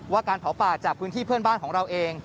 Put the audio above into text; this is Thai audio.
การเผาป่าจากพื้นที่เพื่อนบ้านของเราเอง